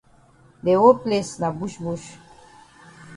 De whole place na bush bush.